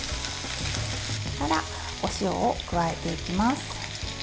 そしたらお塩を加えていきます。